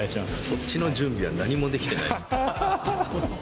そっちの準備は何もできてないっていう。